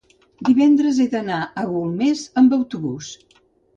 divendres he d'anar a Golmés amb autobús.